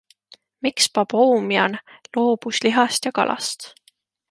Miks Baboumian loobus lihast ja kalast?